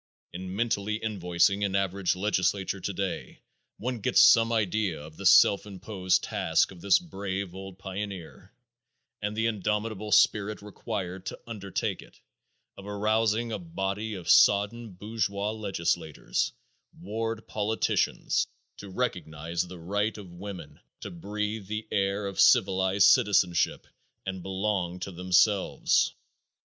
In mentally invoicing an average legislature today one gets some idea of the self imposed task of this brave old pioneer, and the indomitable spirit required to undertake it, of arousing a body of sodden bourgeois legislators, ward politicians, to recognize the right of women to breathe the air of civilized citizenship and belong to themselves.